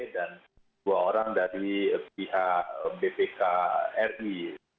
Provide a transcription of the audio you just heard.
dua orang dari pihak bpk ri